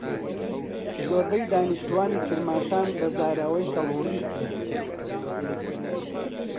زۆربەی دانیشتووانی کرماشان بە زاراوەی کەڵهوڕی قسەدەکەن.